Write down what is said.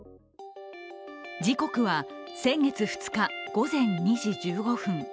時刻は先月２日、午前２時１５分。